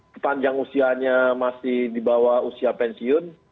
sepanjang usianya masih di bawah usia pensiun